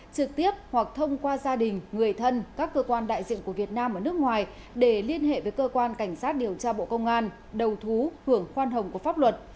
trực tiếp hoặc thông qua gia đình người thân các cơ quan đại diện của việt nam ở nước ngoài để liên hệ với cơ quan cảnh sát điều tra bộ công an đầu thú hưởng khoan hồng của pháp luật